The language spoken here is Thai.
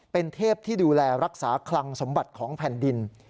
เป็นเทพที่ดูแลรักษาคลังสมบัติของแผ่นดิน